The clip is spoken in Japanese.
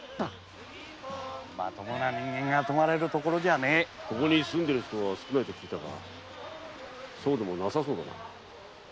まともな人間が泊まれる所じゃねぇ住んでる人は少ないと聞いて来たがそうでもなさそうだな。